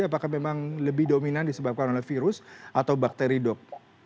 apakah memang lebih dominan disebabkan oleh virus atau bakteri dok